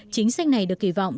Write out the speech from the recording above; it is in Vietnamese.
chính sách này được kỳ vọng